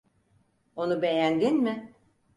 Onu beğendin mi?